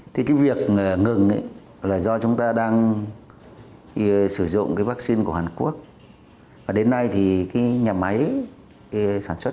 thì cái việc ngừng là do chúng ta đang sử dụng vaccine của hàn quốc đến nay thì nhà máy sản xuất